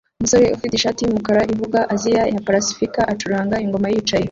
Umusore ufite ishati yumukara ivuga "Aziya ya pasifika" acuranga ingoma yicaye